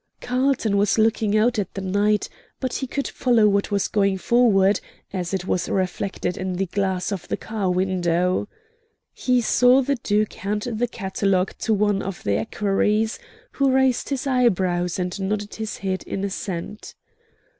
Carlton was looking out at the night, but he could follow what was going forward, as it was reflected in the glass of the car window. He saw the Duke hand the catalogue to one of the equerries, who raised his eyebrows and nodded his head in assent.